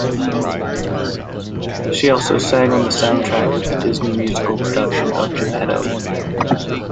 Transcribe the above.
She also sang on the soundtrack of the Disney musical production of "Geppetto".